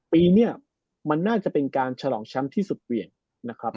ปีนี้มันน่าจะเป็นการฉลองแชมป์ที่สุดเหวี่ยงนะครับ